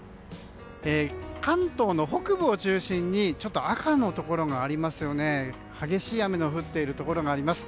関東の北部を中心にちょっと赤のところがあります。